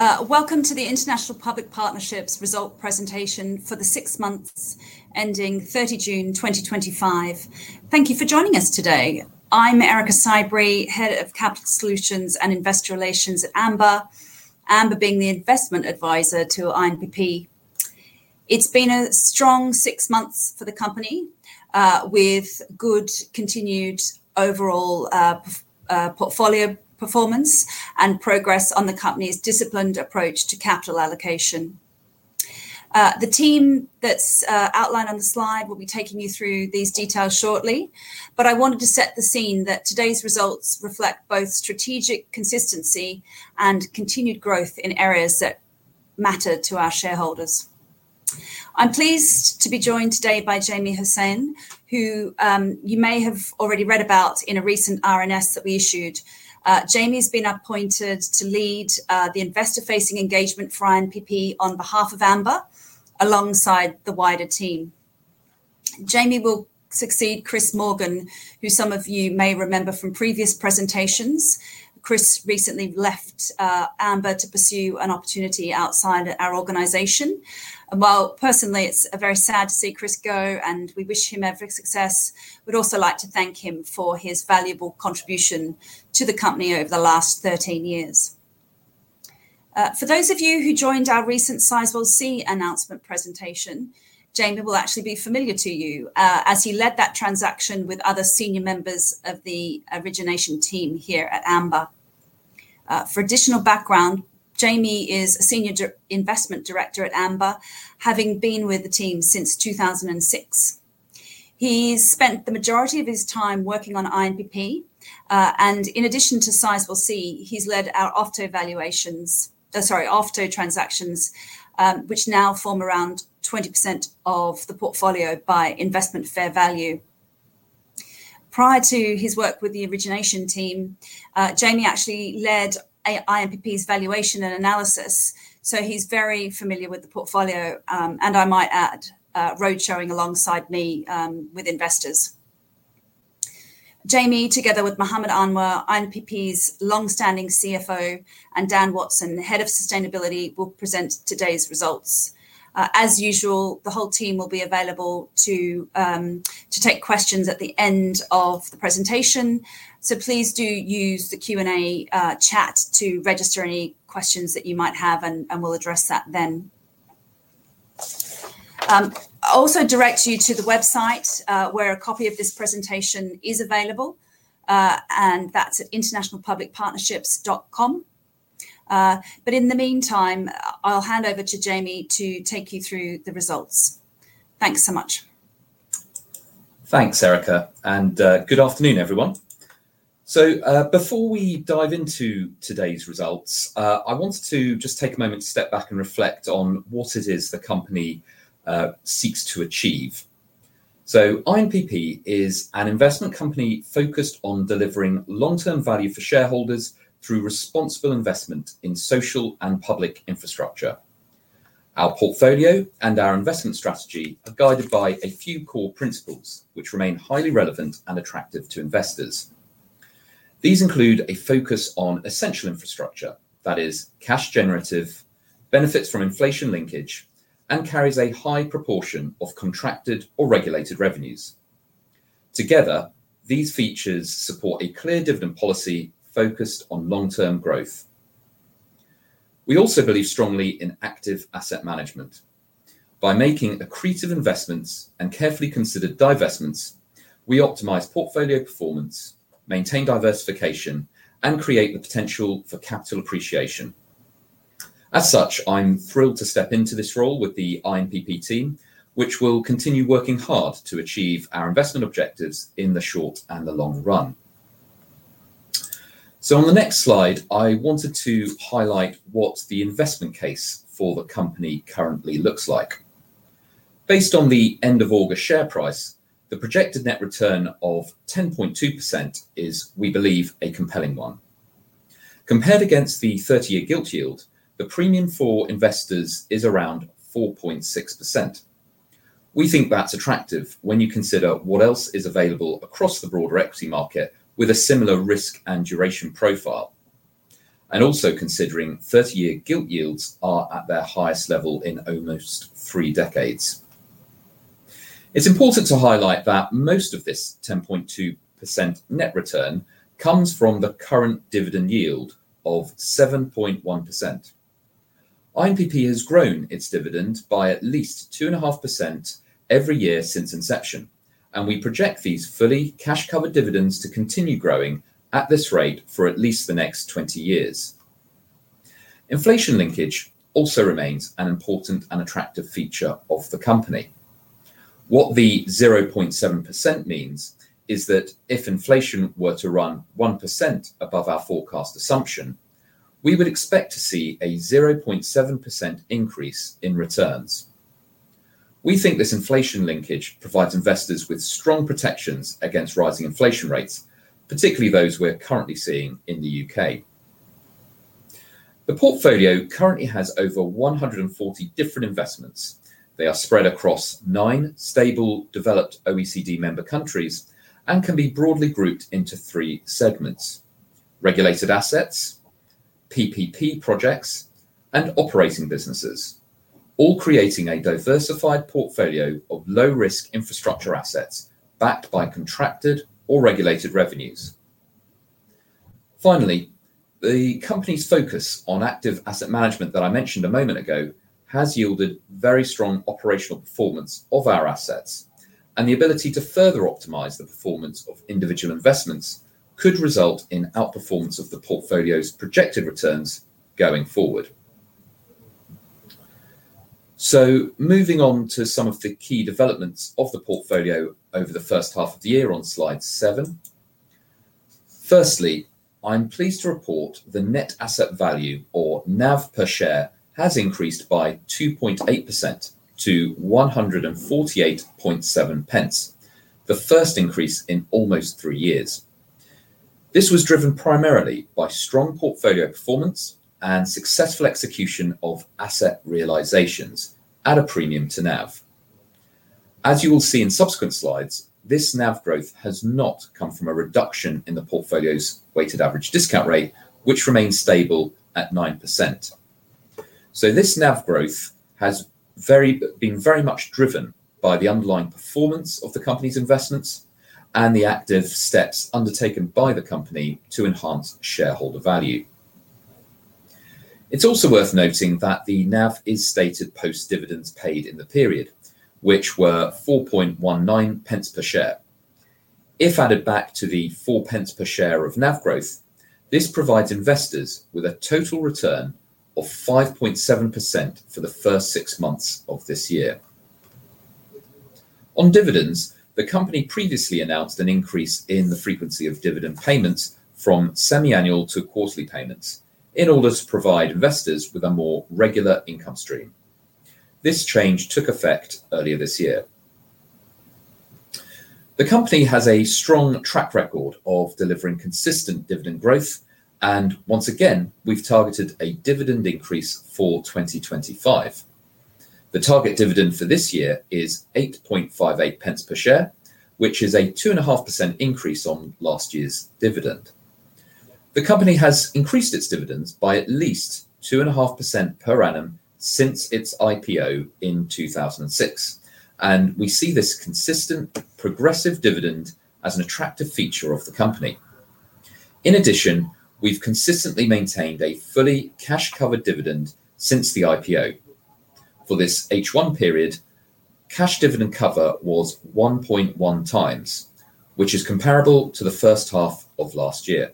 Welcome to the International Public Partnership's result presentation for the six months ending thirty June twenty twenty five. Thank you for joining us today. I'm Erica Cybrey, Head of Capital Solutions and Investor Relations at Amber. Amber being the investment adviser to IMPP. It's been a strong six months for the company with good continued overall portfolio performance and progress on the company's disciplined approach to capital allocation. The team that's outlined on the slide will be taking you through these details shortly. But I wanted to set the scene that today's results reflect both strategic consistency and continued growth in areas that matter to our shareholders. I'm pleased to be joined today by Jamie Hussain, who, you may have already read about in a recent RNS that we issued. Jamie has been appointed to lead, the investor facing engagement for IMPP on behalf of Amber alongside the wider team. Jamie will succeed Chris Morgan, who some of you may remember from previous presentations. Chris recently left, Amber to pursue an opportunity outside our organization. And while personally, it's very sad to see Chris go and we wish him every success, we'd also like to thank him for his valuable contribution to the company over the last thirteen years. For those of you who joined our recent sizable c announcement presentation, Jamie will actually be familiar to you as he led that transaction with other senior members of the origination team here at Amber. For additional background, Jamie is a senior investment director at Amber, having been with the team since 02/2006. He spent the majority of his time working on INBP. And in addition to sizable c, he's led our off to evaluations oh, sorry, off to transactions, which now form around 20% of the portfolio by investment fair value. Prior to his work with the origination team, Jamie actually led a INPP's valuation and analysis. So he's very familiar with the portfolio, and I might add, roadshowing alongside me with investors. Jamie, together with Mohamed Anwar, INPP's long standing CFO, and Dan Watson, Head of Sustainability, will present today's results. As usual, the whole team will be available to take questions at the end of the presentation. So please do use the Q and A chat to register any questions that you might have and we'll address that then. I'll also direct you to the website where a copy of this presentation is available and that's at internationalpublicpartnerships.com. But in the meantime, I'll hand over to Jamie to take you through the results. Thanks so much. Thanks, Erica, and good afternoon, everyone. So before we dive into today's results, I wanted to just take a moment to step back and reflect on what it is the company seeks to achieve. So IMPP is an investment company focused on delivering long term value for shareholders through responsible investment in social and public infrastructure. Our portfolio and our investment strategy are guided by a few core principles, which remain highly relevant and attractive to investors. These include a focus on essential infrastructure that is cash generative, benefits from inflation linkage and carries a high proportion of contracted or regulated revenues. Together, these features support a clear dividend policy focused on long term growth. We also believe strongly in active asset management. By making accretive investments and carefully considered divestments, we optimize portfolio performance, maintain diversification and create the potential for capital appreciation. As such, I'm thrilled to step into this role with the IMPP team, which will continue working hard to achieve our investment objectives in the short and the long run. So on the next slide, I wanted to highlight what the investment case for the company currently looks like. Based on the August share price, the projected net return of 10.2% is, we believe, a compelling one. Compared against the thirty year GILTI yield, the premium for investors is around 4.6%. We think that's attractive when you consider what else is available across the broader equity market with a similar risk and duration profile and also considering 30 gilt yields are at their highest level in almost three decades. It's important to highlight that most of this 10.2% net return comes from the current dividend yield of 7.1%. IMPP has grown its dividend by at least 2.5% every year since inception, and we project these fully cash covered dividends to continue growing at this rate for at least the next twenty years. Inflation linkage also remains an important and attractive feature of the company. What the 0.7% means is that if inflation were to run 1% above our forecast assumption, we would expect to see a 0.7% increase in returns. We think this inflation linkage provides investors with strong protections against rising inflation rates, particularly those we're currently seeing in The UK. The portfolio currently has over 140 different investments. They are spread across nine stable developed OECD member countries and can be broadly grouped into three segments: regulated assets, PPP projects and operating businesses, all creating a diversified portfolio of low risk infrastructure assets backed by contracted or regulated revenues. Finally, the company's focus on active asset management that I mentioned a moment ago has yielded very strong operational performance of our assets and the ability to further optimize the performance of individual investments could result in outperformance of the portfolio's projected returns going forward. So moving on to some of the key developments of the portfolio over the first half of the year on Slide seven. Firstly, I'm pleased to report the net asset value or NAV per share has increased by 2.8% to 148.7p, the first increase in almost three years. This was driven primarily by strong portfolio performance and successful execution of asset realizations at a premium to NAV. As you will see in subsequent slides, this NAV growth has not come from a reduction in the portfolio's weighted average discount rate, which remains stable at 9%. So this NAV growth has been very much driven by the underlying performance of the company's investments and the active steps undertaken by the company to enhance shareholder value. It's also worth noting that the NAV is stated post dividends paid in the period, which were 4.19p per share. If added back to the 4p per share of NAV growth, this provides investors with a total return of 5.7% for the first six months of this year. On dividends, the company previously announced an increase in the frequency of dividend payments from semiannual to quarterly payments in order to provide investors with a more regular income stream. This change took effect earlier this year. The company has a strong track record of delivering consistent dividend growth. And once again, we've targeted a dividend increase for 2025. The target dividend for this year is 8.58p per share, which is a 2.5% increase on last year's dividend. The company has increased its dividends by at least 2.5% per annum since its IPO in 02/2006, and we see this consistent progressive dividend as an attractive feature of the company. In addition, we've consistently maintained a fully cash covered dividend since the IPO. For this H1 period, cash dividend cover was 1.1x, which is comparable to the first half of last year.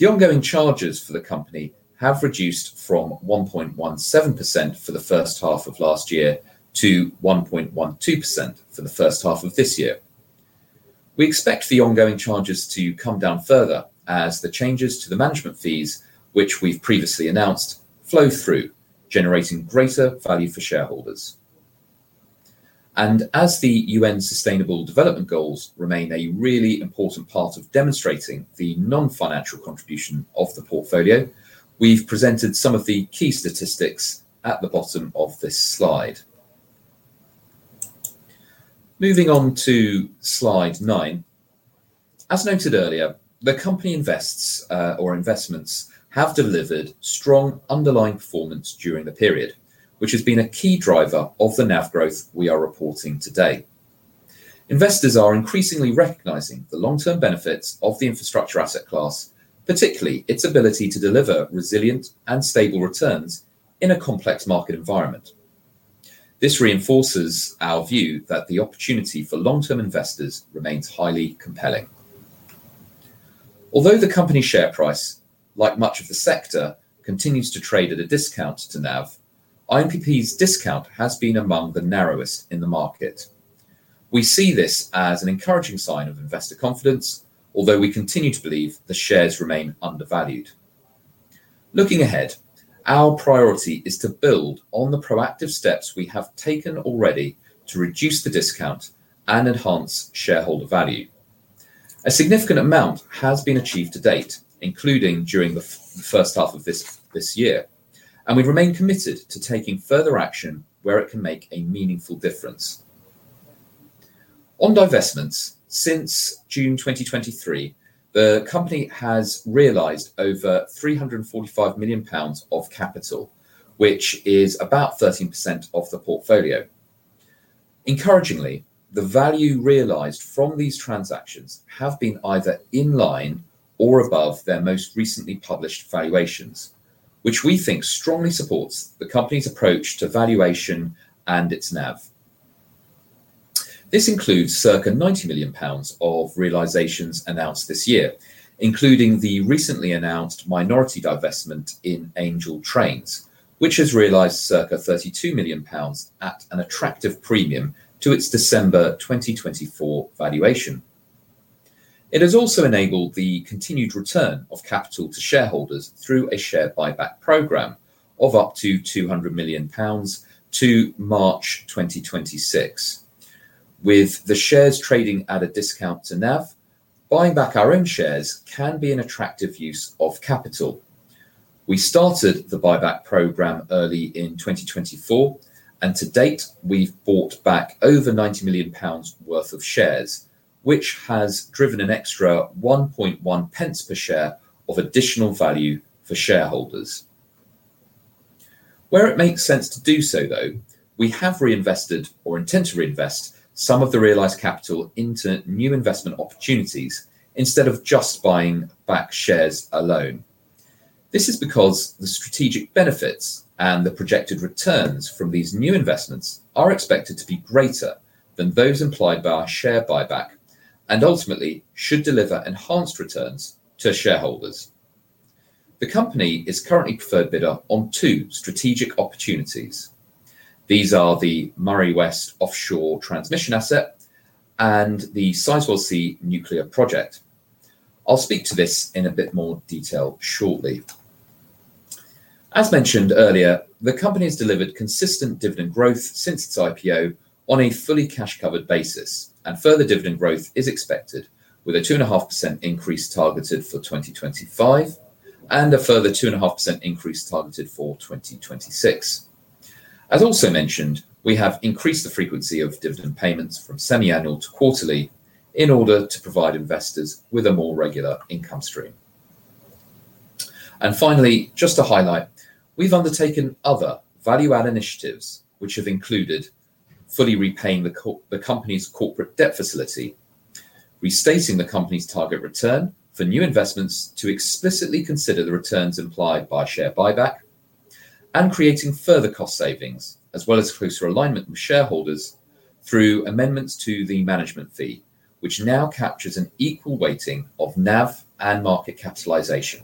The ongoing charges for the company have reduced from 1.17% for the first half of last year to 1.12% for the first half of this year. We expect the ongoing charges to come down further as the changes to the management fees, which we've previously announced, flow through, generating greater value for shareholders. And as the UN Sustainable Development Goals remain a really important part of demonstrating the non financial contribution of the portfolio, we've presented some of the key statistics at the bottom of this slide. Moving on to Slide nine. As noted earlier, the company invests or investments have delivered strong underlying performance during the period, which has been a key driver of the NAV growth we are reporting today. Investors are increasingly recognizing the long term benefits of the infrastructure asset class, particularly its ability to deliver resilient and stable returns in a complex market environment. This reinforces our view that the opportunity for long term investors remains highly compelling. Although the company's share price, like much of the sector, continues to trade at a discount to NAV, INPP's discount has been among the narrowest in the market. We see this as an encouraging sign of investor confidence, although we continue to believe the shares remain undervalued. Looking ahead, our priority is to build on the proactive steps we have taken already to reduce the discount and enhance shareholder value. A significant amount has been achieved to date, including during the first half of this year, And we remain committed to taking further action where it can make a meaningful difference. On divestments, since June 2023, the company has realized over £345,000,000 of capital, which is about 13% of the portfolio. Encouragingly, the value realized from these transactions have been either in line or above their most recently published valuations, which we think strongly supports the company's approach to valuation and its NAV. This includes circa 90,000,000 pounds of realizations announced this year, including the recently announced minority divestment in Angel Trains, which has realized circa £32,000,000 at an attractive premium to its December 2024 valuation. It has also enabled the continued return of capital to shareholders through a share buyback program of up to £200,000,000 to March 2026. With the shares trading at a discount to NAV, buying back our own shares can be an attractive use of capital. We started the buyback program early in 2024. And to date, we've bought back over 90,000,000 pounds worth of shares, which has driven an extra 1.1p per share of additional value for shareholders. Where it makes sense to do so though, we have reinvested or intend to reinvest some of the realized capital into new investment opportunities instead of just buying back shares alone. This is because the strategic benefits and the projected returns from these new investments are expected to be greater than those implied by our share buyback and ultimately should deliver enhanced returns to shareholders. The company is currently preferred bidder on two strategic opportunities. These are the Murray West offshore transmission asset and the Seiswell Sea nuclear project. I'll speak to this in a bit more detail shortly. As mentioned earlier, the company has delivered consistent dividend growth since its IPO on a fully cash covered basis, and further dividend growth is expected with a 2.5% increase targeted for 2025 and a further 2.5% increase targeted for 2026. As also mentioned, we have increased the frequency of dividend payments from semiannual to quarterly in order to provide investors with a more regular income stream. And finally, just to highlight, we've undertaken other value add initiatives, which have included fully repaying the company's corporate debt facility, restating the company's target return for new investments to explicitly consider the returns implied by share buyback and creating further cost savings as well as closer alignment with shareholders through amendments to the management fee, which now captures an equal weighting of NAV and market capitalization.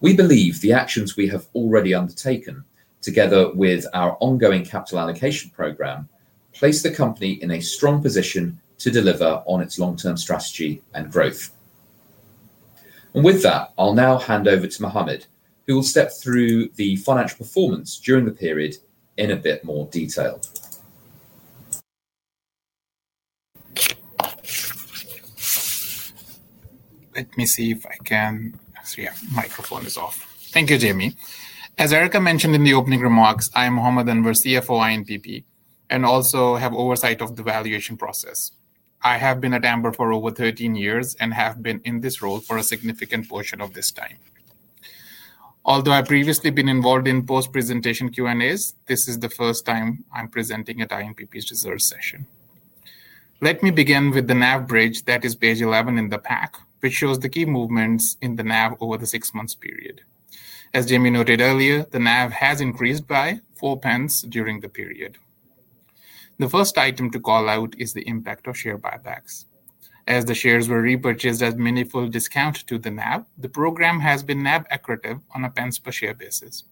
We believe the actions we have already undertaken together with our ongoing capital allocation program, place the company in a strong position to deliver on its long term strategy and growth. And with that, I'll now hand over to Mohamed, who will step through the financial performance during the period in a bit more detail. Let me see if I can so, yeah, microphone is off. Thank you, Jamie. As Erica mentioned in the opening remarks, I'm Mohammed Anwar, CFO, INPP, and also have oversight of the valuation process. I have been at Amber for over thirteen years and have been in this role for a significant portion of this time. Although I previously been involved in post presentation q and a's, this is the first time I'm presenting at INPP's reserve session. Let me begin with the NAV bridge that is page 11 in the pack, which shows the key movements in the NAV over the six months period. As Jimmy noted earlier, the NAV has increased by 4p during the period. The first item to call out is the impact of share buybacks. As the shares were repurchased at meaningful discount to the NAV, the program has been NAV accretive on a pence per share basis.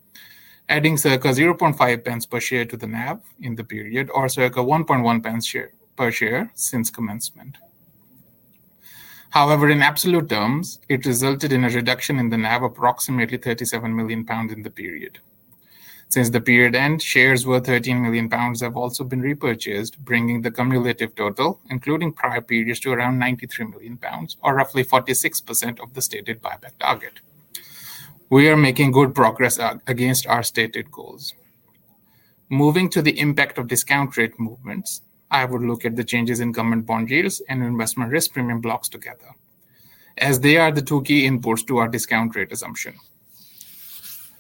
Adding circa 0.5p per share to the NAV in the period or circa 1.1p share per share since commencement. However, in absolute terms, it resulted in a reduction in the NAV approximately £37,000,000 in the period. Since the period end, shares worth £13,000,000 have also been repurchased, bringing the cumulative total, including prior periods, to around £93,000,000 or roughly 46 percent of the stated buyback target. We are making good progress against our stated goals. Moving to the impact of discount rate movements, I would look at the changes in common bond yields and investment risk premium blocks together as they are the two key inputs to our discount rate assumption.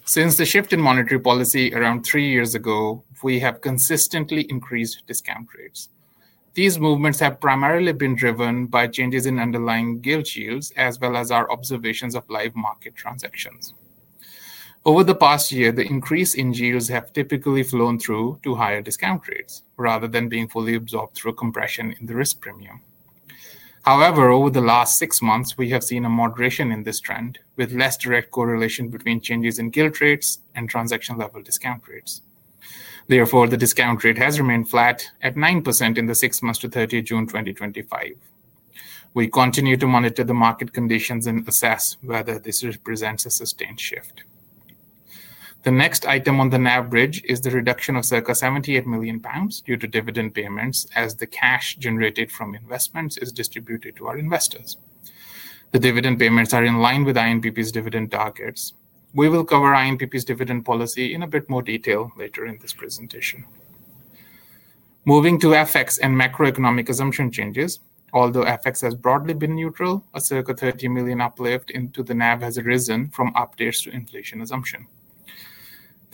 Since the shift in monetary policy around three years ago, we have consistently increased discount rates. These movements have primarily been driven by changes in underlying gilt yields as well as our observations of live market transactions. Over the past year, the increase in yields have typically flown through to higher discount rates rather than being fully absorbed through compression in the risk premium. However, over the last six months, we have seen a moderation in this trend with less direct correlation between changes in guilt rates and transaction level discount rates. Therefore, the discount rate has remained flat at 9% in the six months to thirty June twenty twenty five. We continue to monitor the market conditions and assess whether this represents a sustained shift. The next item on the NAV bridge is the reduction of circa £78,000,000 due to dividend payments as the cash generated from investments is distributed to our investors. The dividend payments are in line with INPP's dividend targets. We will cover IMPP's dividend policy in a bit more detail later in this presentation. Moving to FX and macroeconomic assumption changes. Although FX has broadly been neutral, a circa 30,000,000 uplift into the NAV has risen from updates to inflation assumption.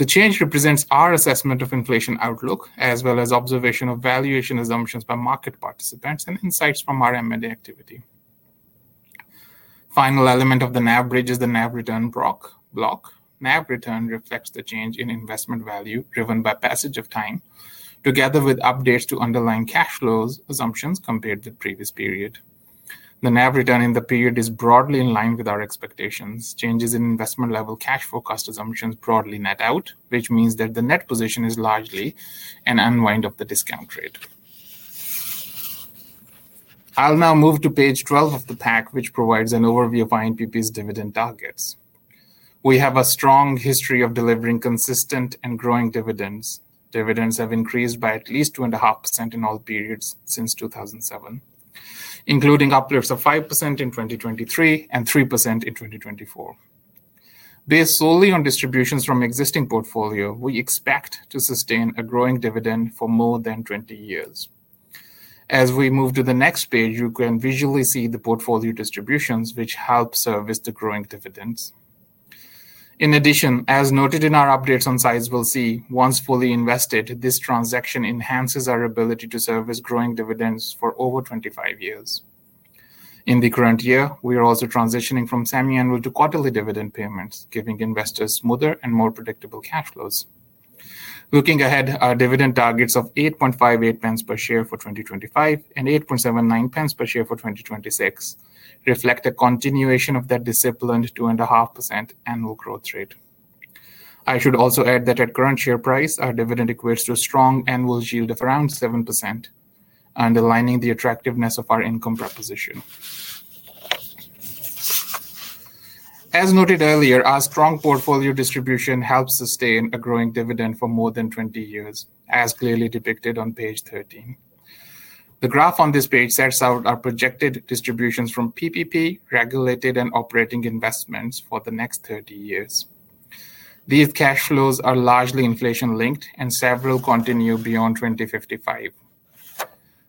The change represents our assessment of inflation outlook as well as observation of valuation assumptions by market participants and insights from our M and A activity. Final element of the NAV bridge is the NAV return block. NAV return reflects the change in investment value driven by passage of time together with updates to underlying cash flows assumptions compared to previous period. The NAV return in the period is broadly in line with our expectations. Changes in investment level cash forecast assumptions broadly net out, which means that the net position is largely an unwind of the discount rate. I'll now move to Page 12 of the pack, which provides an overview of INPP's dividend targets. We have a strong history of delivering consistent and growing dividends. Dividends have increased by at least 2.5% in all periods since 02/2007, including uplifts of 5% in 2023 and three percent in 2024. Based solely on distributions from existing portfolio, we expect to sustain a growing dividend for more than twenty years. As we move to the next page, you can visually see the portfolio distributions, which help service the growing dividends. In addition, as noted in our updates on sizable C, once fully invested, this transaction enhances our ability to service growing dividends for over twenty five years. In the current year, we are also transitioning from semi annual to quarterly dividend payments, giving investors smoother and more predictable cash flows. Looking ahead, our dividend targets of 8.58p per share for 2025 and 8.79p per share for 2026 reflect a continuation of that disciplined 2.5% annual growth rate. I should also add that at current share price, our dividend equates to a strong annual yield of around 7%, underlining the attractiveness of our income proposition. As noted earlier, our strong portfolio distribution helps sustain a growing dividend for more than twenty years as clearly depicted on Page 13. The graph on this page sets out our projected distributions from PPP, regulated and operating investments for the next thirty years. These cash flows are largely inflation linked and several continue beyond 2055.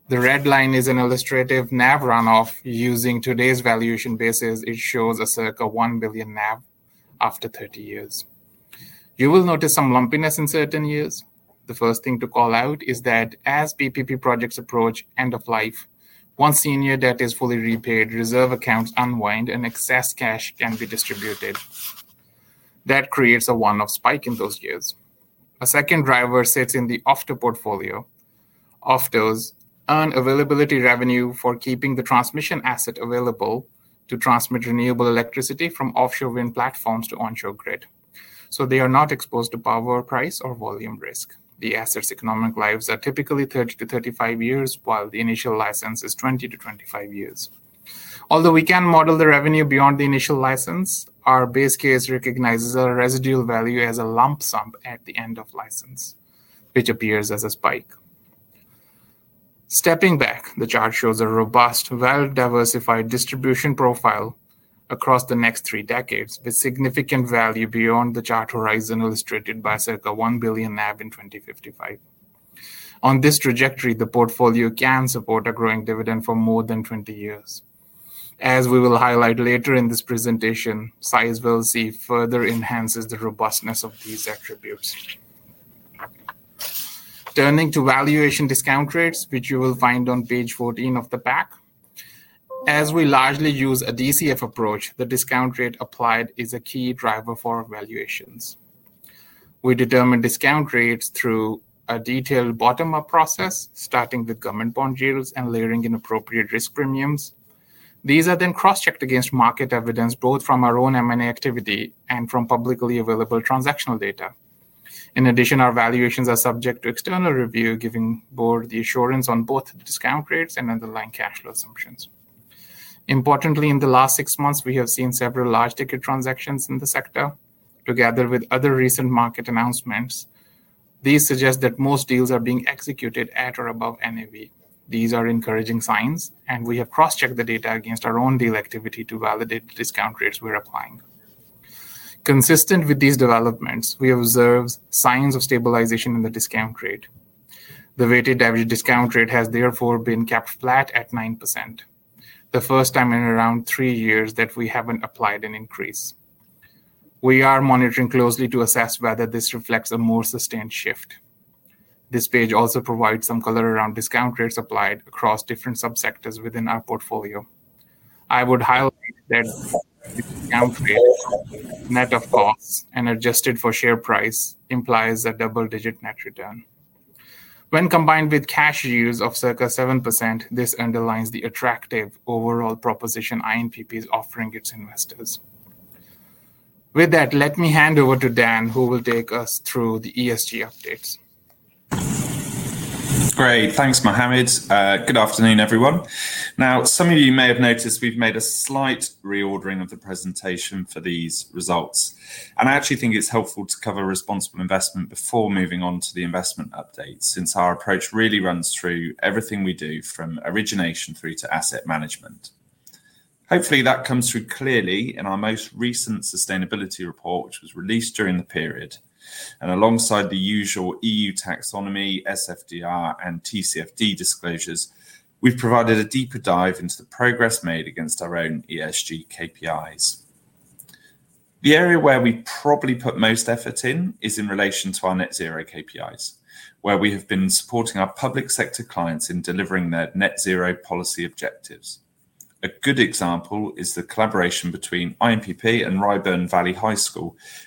The red line is an illustrative NAV runoff using today's valuation basis. It shows a circa 1,000,000,000 after thirty years. You will notice some lumpiness in certain years. The first thing to call out is that as PPP projects approach end of life, once senior debt is fully repaid, reserve accounts unwind and excess cash can be distributed. That creates a one off spike in those years. A second driver sits in the Ofto portfolio. Ofto's earn availability revenue for keeping the transmission asset available to transmit renewable electricity from offshore wind platforms to onshore grid. So they are not exposed to power price or volume risk. The asset's economic lives are typically thirty to thirty five years, while the initial license is twenty to twenty five years. Although we can model the revenue beyond the initial license, our base case recognizes our residual value as a lump sum at the end of license, which appears as a spike. Stepping back, the chart shows a robust, well diversified distribution profile across the next three decades with significant value beyond the chart horizon illustrated by circa 1,000,000,000 NAV in 02/1955. On this trajectory, the portfolio can support a growing dividend for more than twenty years. As we will highlight later in this presentation, size we'll see further enhances the robustness of these attributes. Turning to valuation discount rates, which you will find on Page 14 of the pack. As we largely use a DCF approach, the discount rate applied is a key driver for our valuations. We determine discount rates through a detailed bottom up process, starting the government bond yields and layering inappropriate risk premiums. These are then cross checked against market evidence both from our own M and A activity and from publicly available transactional data. In addition, our valuations are subject to external review giving board the assurance on both discount rates and underlying cash flow assumptions. Importantly, in the last six months, we have seen several large ticket transactions in the sector together with other recent market announcements. These suggest that most deals are being executed at or above NAV. These are encouraging signs, and we have cross checked the data against our own deal activity to validate discount rates we're applying. Consistent with these developments, we observed signs of stabilization in the discount rate. The weighted average discount rate has therefore been kept flat at 9%, the first time in around three years that we haven't applied an increase. We are monitoring closely to assess whether this reflects a more sustained shift. This page also provides some color around discount rates applied across different subsectors within our portfolio. I would highlight that discount rate net of costs and adjusted for share price implies a double digit net return. When combined with cash use of circa 7%, this underlines the attractive overall proposition INTP is offering its investors. With that, let me hand over to Dan, who will take us through the ESG updates. Great. Thanks, Mohammad. Good afternoon, everyone. Now some of you may have noticed we've made a slight reordering of the presentation for these results. And I actually think it's helpful to cover responsible investment before moving on to the investment update since our approach really runs through everything we do from origination through to asset management. Hopefully, that comes through clearly in our most recent sustainability report, which was released during the period. And alongside the usual EU taxonomy, SFDR, and TCFD disclosures, we've provided a deeper dive into the progress made against our own ESG KPIs. The area where we probably put most effort in is in relation to our net zero KPIs, where we have been supporting our public sector clients in delivering their net zero policy objectives. A good example is the collaboration between INPP and Riburn Valley High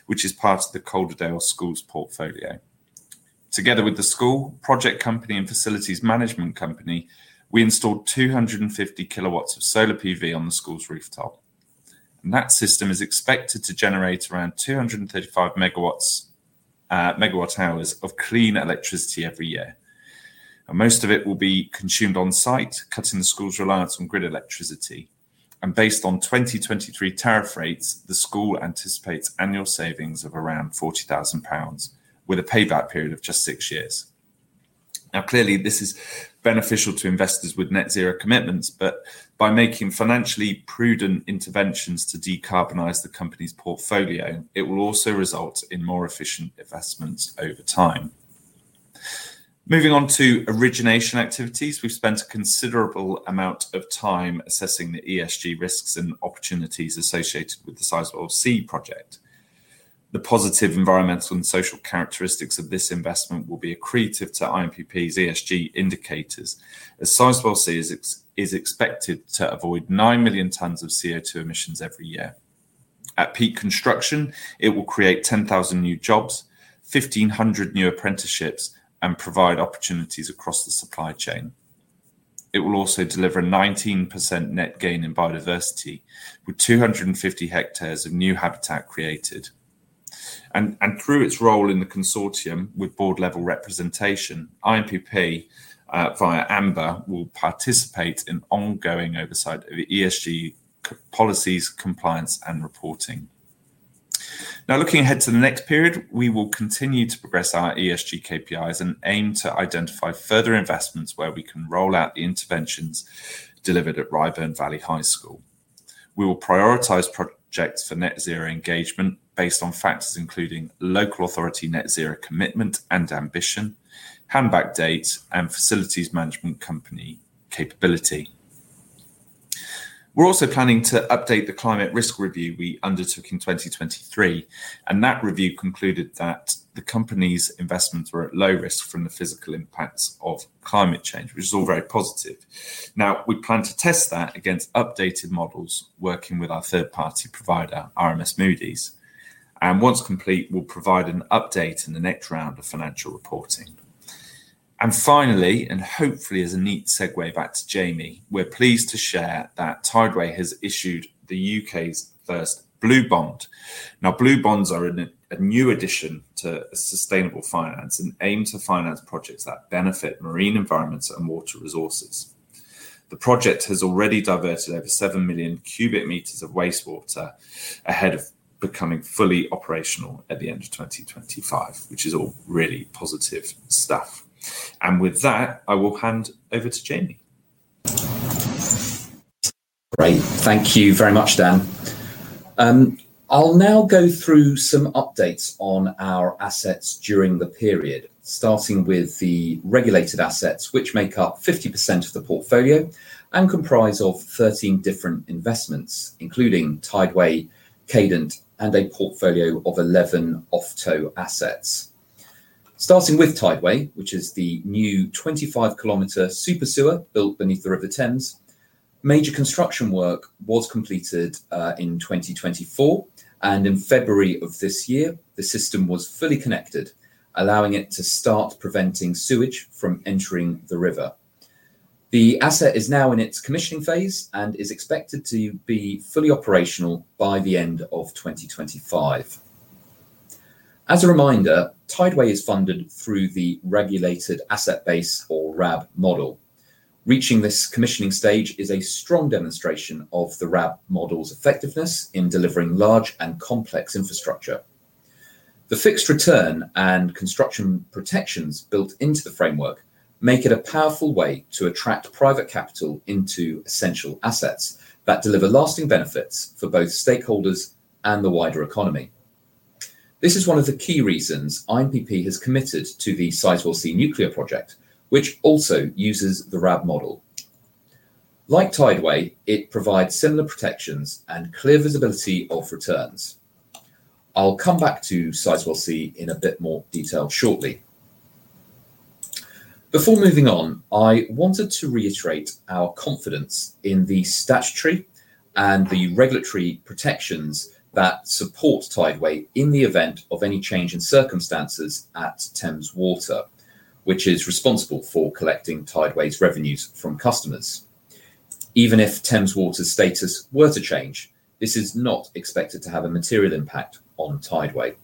which is part of the Calderdale School's portfolio. Together with the school, project company, and facilities management company, we installed 250 kilowatts of solar PV on the school's rooftop. And that system is expected to generate around 235 megawatts megawatt hours of clean electricity every year. And most of it will be consumed on-site, cutting the school's reliance on grid electricity. And based on 2023 tariff rates, the school anticipates annual savings of around £40,000 with a payback period of just six years. Now, clearly, this is beneficial to investors with net zero commitments, but by making financially prudent interventions to decarbonize the company's portfolio, it will also result in more efficient investments over time. Moving on to origination activities, we've spent considerable amount of time assessing the ESG risks and opportunities associated with the Seizeable C project. The positive environmental and social characteristics of this investment will be accretive to INPPs ESG indicators as Seizeable C is expected to avoid 9,000,000 tons of c o two emissions every year. At peak construction, it will create 10,000 new jobs, 1,500 new apprenticeships, and provide opportunities across the supply chain. It will also deliver 19% net gain in biodiversity with 250 hectares of new habitat created. And and through its role in the consortium with board level representation, IMPP via Amber will participate in ongoing oversight of ESG policies, compliance and reporting. Now looking ahead to the next period, we will continue to progress our ESG KPIs and aim to identify further investments where we can roll out the interventions delivered at Riburn Valley High School. We will prioritize projects for net zero engagement based on facts including local authority net zero commitment and ambition, hand back dates and facilities management company capability. We're also planning to update the climate risk review we undertook in 2023, and that review concluded that the company's investments were at low risk from the physical impacts of climate change, which is all very positive. Now we plan to test that against updated models working with our third party provider, RMS Moody's. And once complete, we'll provide an update in the next round of financial reporting. And finally, and hopefully as a neat segue back to Jamie, we're pleased to share that Tideway has issued The UK's first blue bond. Now blue bonds are in a a new addition to sustainable finance and aim to finance projects that benefit marine environments and water resources. The project has already diverted over 7,000,000 cubic meters of wastewater ahead of becoming fully operational at the 2025, which is all really positive stuff. And with that, I will hand over to Jamie. Great. Thank you very much, Dan. I'll now go through some updates on our assets during the period, starting with the regulated assets, which make up 50% of the portfolio and comprise of 13 different investments, including Tideway, Cadent and a portfolio of 11 off tow assets. Starting with Tideway, which is the new 25 kilometer super sewer built beneath the River Thames. Major construction work was completed in 2024. And in February, the system was fully connected, allowing it to start preventing sewage from entering the river. The asset is now in its commissioning phase and is expected to be fully operational by the 2025. As a reminder, Tideway is funded through the regulated asset base, or RAB model. Reaching this commissioning stage is a strong demonstration of the RAB model's effectiveness in delivering large and complex infrastructure. The fixed return and construction protections built into the framework make it a powerful way to attract private capital into essential assets that deliver lasting benefits for both stakeholders and the wider economy. This is one of the key reasons IMPP has committed to the Cy12C nuclear project, which also uses the RAB model. Like Tideway, it provides similar protections and clear visibility of returns. I'll come back to Site-1C in a bit more detail shortly. Before moving on, I wanted to reiterate our confidence in the statutory and the regulatory protections that support Tideway in the event of any change in circumstances at Thames Water, which is responsible for collecting Tideway's revenues from customers. Even if Thames Water's status were to change, this is not expected to have a material impact on Tideway.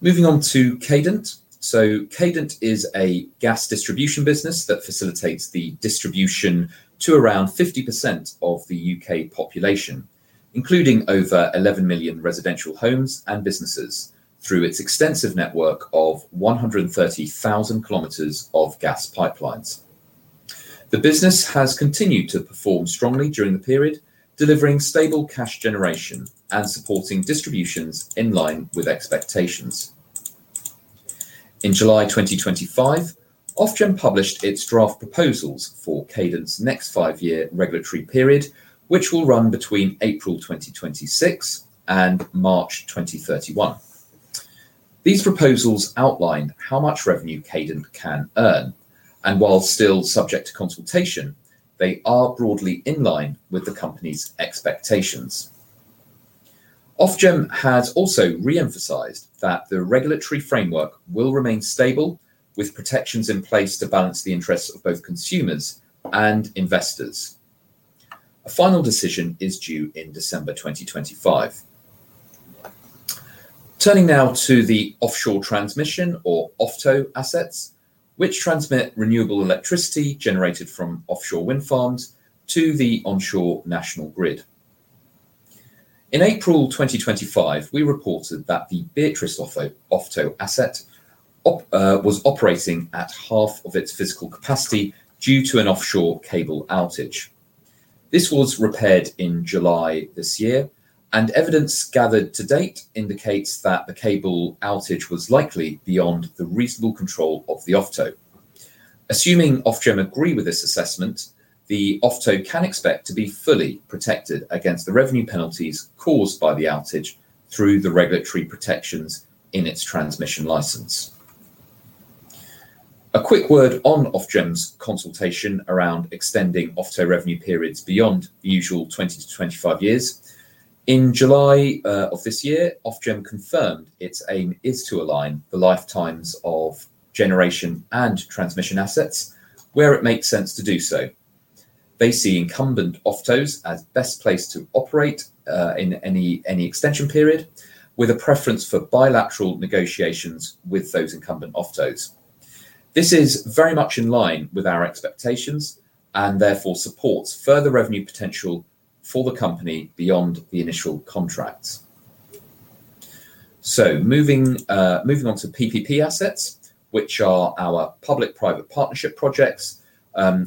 Moving on to Cadent. So Cadent is a gas distribution business that facilitates the distribution to around 50% of The UK population, including over 11,000,000 residential homes and businesses through its extensive network of 130,000 kilometers of gas pipelines. The business has continued to perform strongly during the period, delivering stable cash generation and supporting distributions in line with expectations. In July 2025, Ofgem published its draft proposals for Cadence next five year regulatory period, which will run between April 2026 and March 2031. These proposals outline how much revenue Cadent can earn. And while still subject to consultation, they are broadly in line with the company's expectations. Ofgem has also reemphasized that the regulatory framework will remain stable with protections in place to balance the interests of both consumers and investors. A final decision is due in December 2025. Turning now to the Offshore Transmission or Ofto assets, which transmit renewable electricity generated from offshore wind farms to the onshore national grid. In April 2025, we reported that the Beatrice Ofto asset was operating at half of its physical capacity due to an offshore cable outage. This was repaired in July, and evidence gathered to date indicates that the cable outage was likely beyond the reasonable control of the Ofto. Assuming Ofgem agree with this assessment, the Ofto can expect to be fully protected against the revenue penalties caused by the outage through the regulatory protections in its transmission license. A quick word on Ofgem's consultation around extending Ofto revenue periods beyond the usual twenty to twenty five years. In July, Ofgem confirmed its aim is to align the lifetimes of generation and transmission assets where it makes sense to do so. They see incumbent Oftos as best place to operate in any extension period with a preference for bilateral negotiations with those incumbent oftos. This is very much in line with our expectations and therefore, further revenue potential for the company beyond the initial contracts. So moving on to PPP assets, which are our public private partnership projects,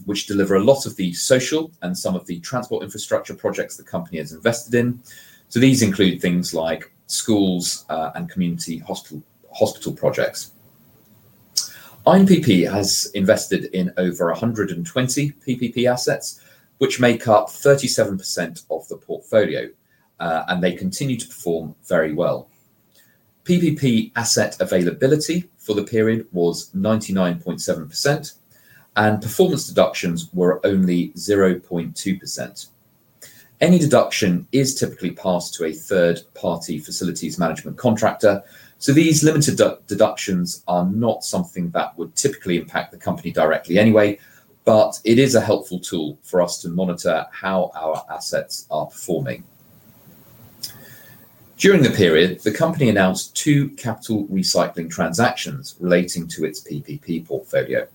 which deliver a lot of the social and some of the transport infrastructure projects the company has invested in. So these include things like schools and community hospital projects. IMPP has invested in over 120 PPP assets, which make up 37% of the portfolio, and they continue to perform very well. PPP asset availability for the period was 99.7% and performance deductions were only 0.2%. Any deduction is typically passed to a third party facilities management contractor. So these limited deductions are not something that would typically impact the company directly anyway, but it is a helpful tool for us to monitor how our assets are performing. During the period, the company announced two capital recycling transactions relating to its PPP portfolio.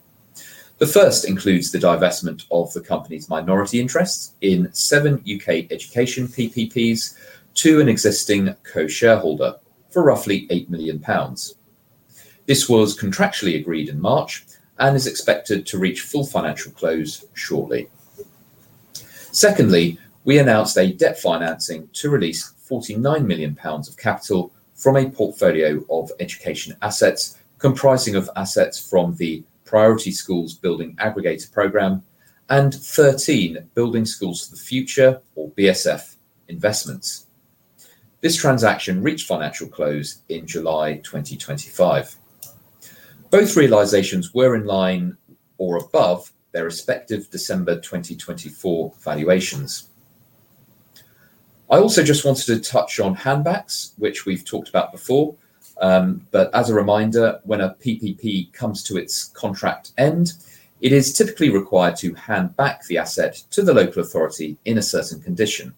The first includes the divestment of the company's minority interests in seven UK education PPPs to an existing co shareholder for roughly eight million pounds This was contractually agreed in March and is expected to reach full financial close shortly. Secondly, we announced a debt financing to release £49,000,000 of capital from a portfolio of education assets comprising of assets from the Priority Schools Building Aggregates Program and 13 Building Schools for the Future or BSF investments. This transaction reached financial close in July 2025. Both realizations were in line or above their respective December 2024 valuations. I also just wanted to touch on handbags, which we've talked about before. But as a reminder, when a PPP comes to its contract end, it is typically required to hand back the asset to the local authority in a certain condition.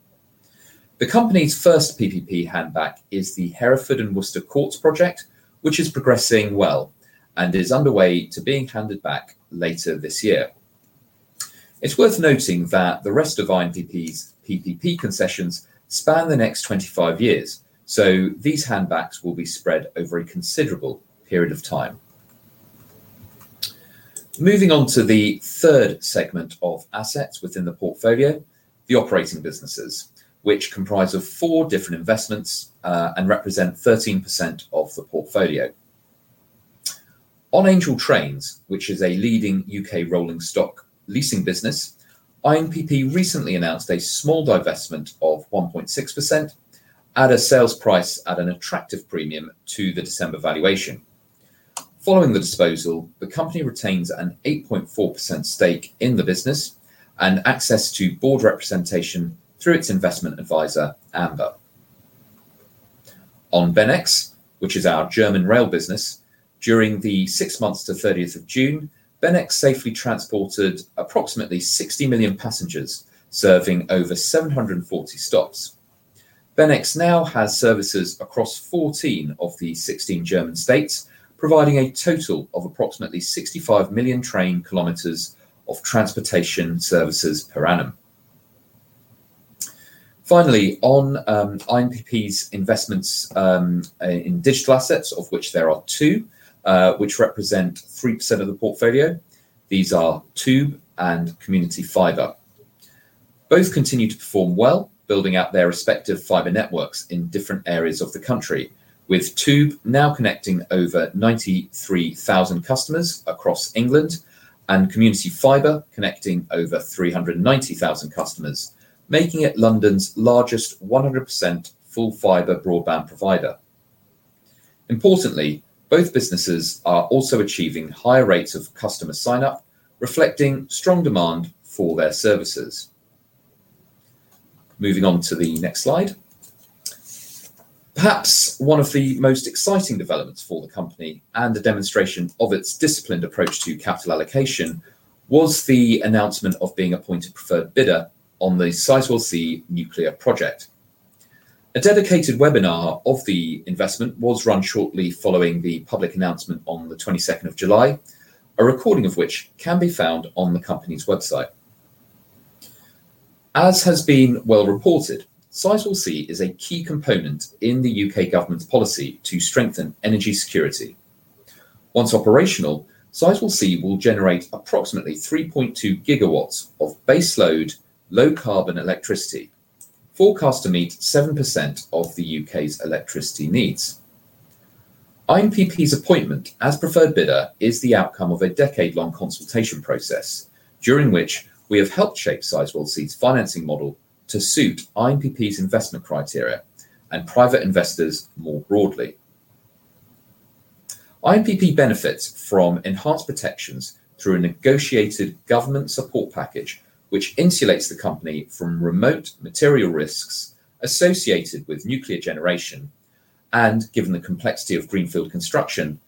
The company's first PPP handback is the Hereford and Worcester Courts project, which is progressing well and is underway to being handed back later this year. It's worth noting that the rest of INVP's PPP concessions span the next twenty five years, So these handbacks will be spread over a considerable period of time. Moving on to the third segment of assets within the portfolio, the operating businesses, which comprise of four different investments and represent 13 of the portfolio. On Angel Trains, which is a leading UK rolling stock leasing business, IMPP recently announced a small divestment of 1.6% at a sales price at an attractive premium to the December valuation. Following the disposal, the company retains an 8.4% stake in the business and access to board representation through its investment adviser, Amber. On Benex, which is our German rail business, during the six months to June 30, Benex safely transported approximately 60,000,000 passengers serving over seven forty stops. Benex now has services across 14 of the 16 German states, providing a total of approximately 65,000,000 train kilometers of transportation services per annum. Finally, on IMPP's investments in digital assets, of which there are two, which represent 3% of the portfolio. These are and Community Fiber. Both continue to perform well, building out their respective fiber networks in different areas of the country, with Tube now connecting over 93,000 customers across England and Community Fiber connecting over 390,000 customers, making it London's largest 100% full fiber broadband provider. Importantly, both businesses are also achieving higher rates of customer sign up, reflecting strong demand for their services. Moving on to the next slide. Perhaps one of the most exciting developments for the company and the demonstration of its disciplined approach to capital allocation was the announcement of being appointed preferred bidder on the Cytos C nuclear project. A dedicated webinar of the investment was run shortly following the public announcement on the July 22, a recording of which can be found on the company's website. As has been well reported, C is a key component in the UK government's policy to strengthen energy security. Once operational, Cytl C will generate approximately 3.2 gigawatts of baseload low carbon electricity, forecast to meet 7% of The UK's electricity needs. IMPP's appointment as preferred bidder is the outcome of a decade long consultation process, during which we have helped shape Sizewall Seed's financing model to suit IMPP's investment criteria and private investors more broadly. IMPP benefits from enhanced protections through a negotiated government support package, which insulates the company from remote material risks associated with nuclear generation and given the complexity of greenfield construction,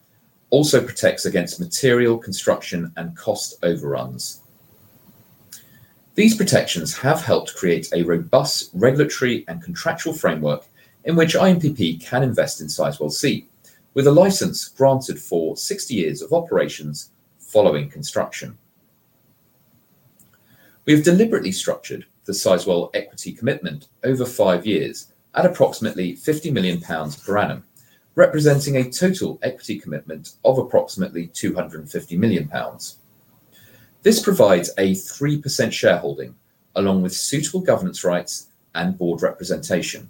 also protects against material construction and cost overruns. These protections have helped create a robust regulatory and contractual framework in which IMPP can invest in Sizewell C with a license granted for sixty years of operations following construction. We've deliberately structured the Seizwell equity commitment over five years at approximately £50,000,000 per annum, representing a total equity commitment of approximately £250,000,000 This provides a 3% shareholding along with suitable governance rights and board representation.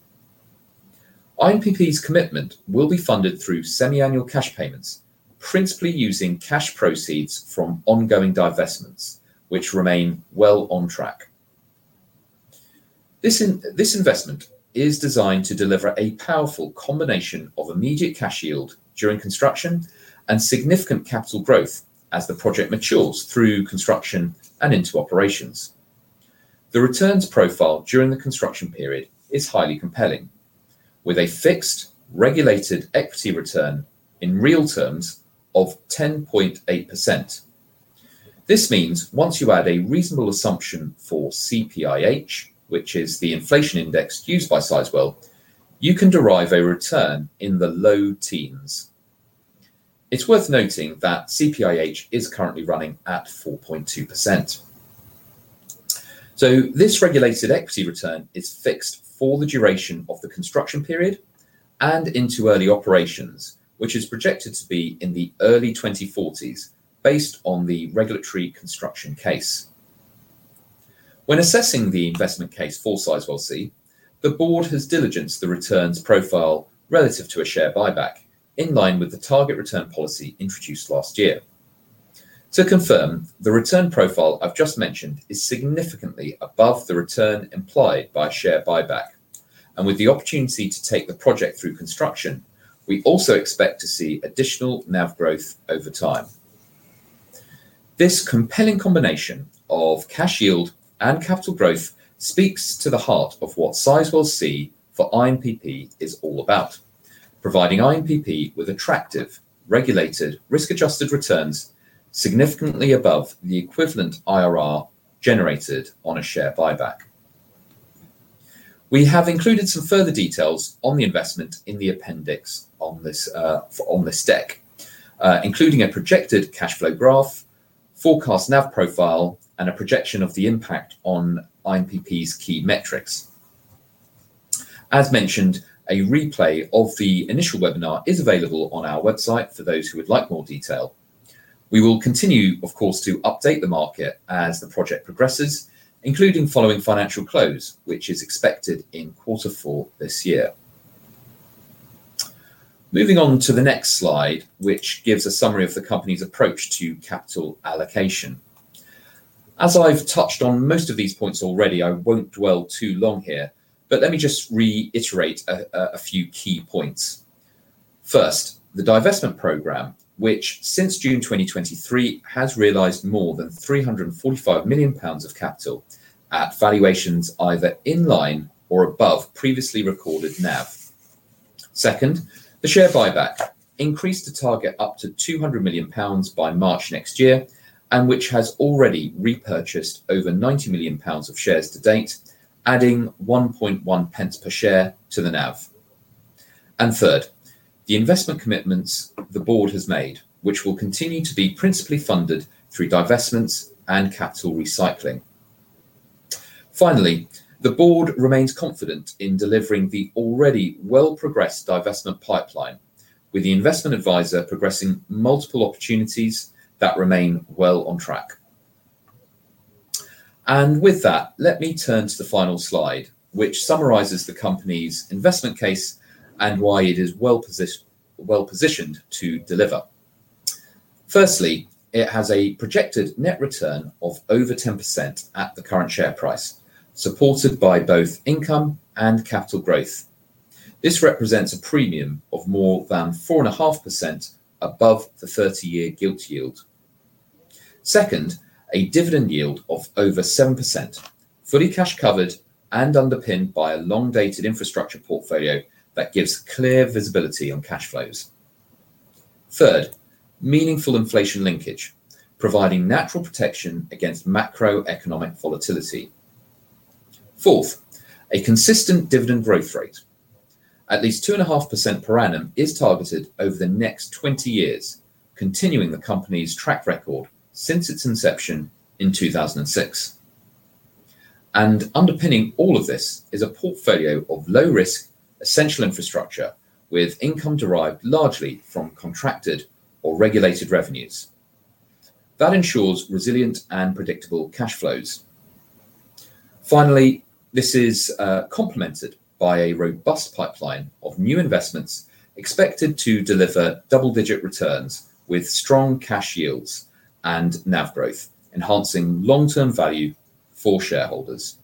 IMPP's commitment will be funded through semiannual cash payments, principally using cash proceeds from ongoing divestments, which remain well on track. This investment is designed to deliver a powerful combination of immediate cash yield during construction and significant capital growth as the project matures through construction and into operations. The returns profile during the construction period is highly compelling with a fixed regulated equity return in real terms of 10.8%. This means once you add a reasonable assumption for CPIH, which is the inflation index used by Sizwell, you can derive a return in the low teens. It's worth noting that CPIH is currently running at 4.2%. So this regulated equity return is fixed for the duration of the construction period and into early operations, which is projected to be in the early 2040s based on the regulatory construction case. When assessing the investment case for Sizelc, the Board has diligence the returns profile relative to a share buyback in line with the target return policy introduced last year. To confirm, the return profile I've just mentioned is significantly above the return implied by share buyback. And with the opportunity to take the project through construction, we also expect to see additional NAV growth over time. This compelling combination of cash yield and capital growth speaks to the heart of what Sizwell C for IMPP is all about, providing IMPP with attractive regulated risk adjusted returns significantly above the equivalent IRR generated on a share buyback. We have included some further details on the investment in the appendix on this deck, including a projected cash flow graph, forecast NAV profile and a projection of the impact on IMPP's key metrics. As mentioned, a replay of the initial webinar is available on our website for those who would like more detail. We will continue, of course, to update the market as the project progresses, including following financial close, which is expected in quarter four this year. Moving on to the next slide, which gives a summary of the company's approach to capital allocation. As I've touched on most of these points already, I won't dwell too long here, but let me just reiterate a few key points. First, the divestment program, which since June 2023, has realized more than GBP $345,000,000 of capital at valuations either in line or above previously recorded NAV. Second, the share buyback increased to target up to 200,000,000 pounds by March and which has already repurchased over £90,000,000 of shares to date, adding 1.1p per share to the NAV. And third, the investment commitments the Board has made, which will continue to be principally funded through divestments and capital recycling. Finally, the Board remains confident in delivering the already well progressed divestment pipeline with the investment adviser progressing multiple opportunities that remain well on track. And with that, let me turn to the final slide, which summarizes the company's investment case and why it is well positioned to deliver. Firstly, it has a projected net return of over 10% at the current share price, supported by both income and capital growth. This represents a premium of more than 4.5% above the thirty year GILT yield. Second, a dividend yield of over 7%, fully cash covered and underpinned by a long dated infrastructure portfolio that gives clear visibility on cash flows. Third, meaningful inflation linkage, providing natural protection against macroeconomic volatility. Fourth, a consistent dividend growth rate. At least 2.5% per annum is targeted over the next twenty years, continuing the company's track record since its inception in 02/2006. And underpinning all of this is a portfolio of low risk essential infrastructure with income derived largely from contracted or regulated revenues. That ensures resilient and predictable cash flows. Finally, this is complemented by a robust pipeline of new investments expected to deliver double digit returns with strong cash yields and NAV growth, enhancing long term value for shareholders.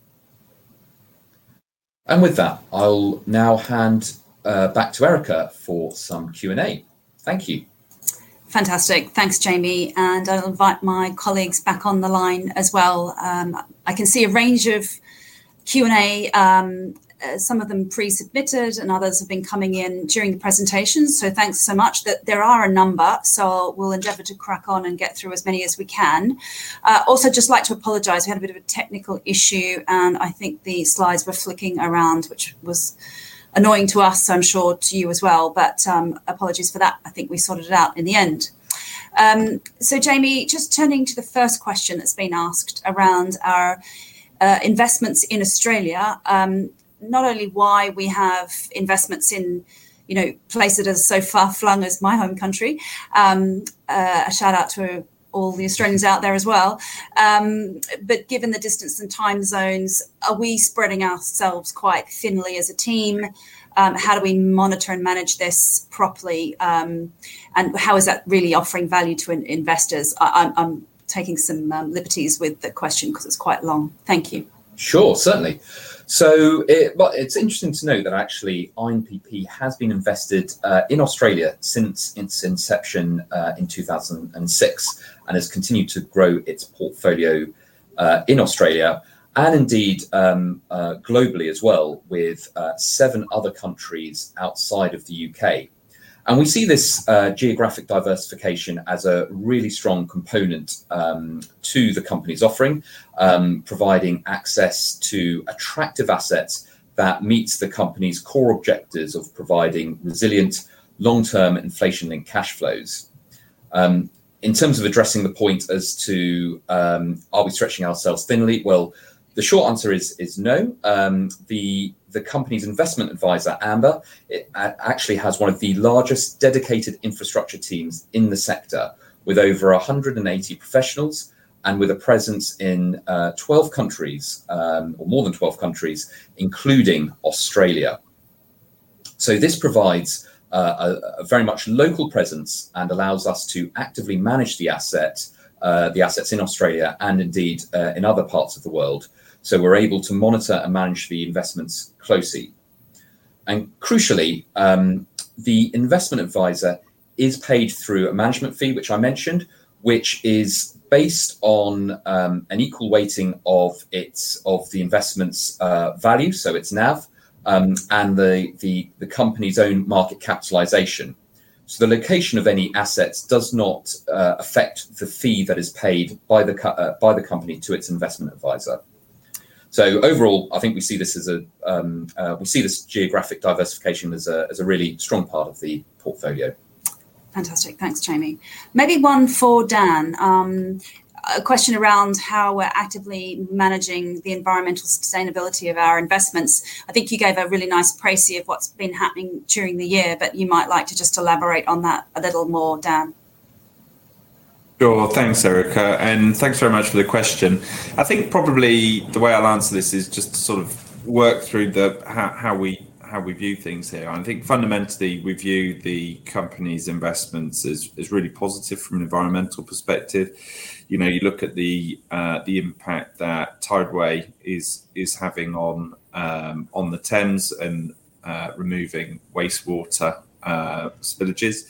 And with that, I'll now hand back to Erica for some Q and A. Thank you. Fantastic. Thanks, Jamie. And I'll invite my colleagues back on the line as well. I can see a range of Q and A, some of them pre submitted and others have been coming in during the presentation. So thanks so much. There are a number, so we'll endeavor to crack on and get through as many as we can. Also just like to apologize, we had a bit of a technical issue and I think the slides were flicking around which was annoying to us I'm sure to you as well. But apologies for that, I think we sorted it out in the end. So Jamie, just turning to the first question that's been asked around our investments in Australia, not only why we have investments in, you know, place it as so far flung as my home country, A shout out to all the Australians out there as well. But given the distance and time zones, are we spreading ourselves quite thinly as a team? How do we monitor and manage this properly? And how is that really offering value to investors? I'm taking some liberties with the question because it's quite long. Thank you. Sure. Certainly. So well, it's interesting to note that actually IMPP has been invested in Australia since its inception in 2006 and has continued to grow its portfolio in Australia and indeed globally as well with seven other countries outside of The UK. And we see this geographic diversification as a really strong component to the company's offering, providing access to attractive assets that meets the company's core objectives of providing resilient long term inflation and cash flows. In terms of addressing the point as to are we stretching ourselves thinly? Well, the short answer is no. The company's investment adviser, Amber, actually has one of the largest dedicated infrastructure teams in the sector with over a 180 professionals and with a presence in 12 countries or more than 12 countries, including Australia. So this provides a very much local presence and allows us to actively manage the assets in Australia and indeed in other parts of the world. So we're able to monitor and manage the investments closely. And crucially, the investment adviser is paid through a management fee, which I mentioned, which is based on an equal weighting of its of the investments value, so it's NAV and the company's own market capitalization. So the location of any assets does not affect the fee that is paid by the company to its investment advisor. So overall, I think we see this as a we see this geographic diversification as a really strong part of the portfolio. Fantastic. Thanks, Jamie. Maybe one for Dan. A question around how we're actively managing the environmental sustainability of our investments. I think you gave a really nice pricey of what's been happening during the year, but you might like to just elaborate on that a little more, Dan. Sure. Thanks, Erica, and thanks very much for the question. I think probably the way I'll answer this is just sort of work through the how we view things here. I think fundamentally, we view the company's investments as really positive from an environmental perspective. You look at the impact that Tideway is having on on the Thames and removing wastewater spillages.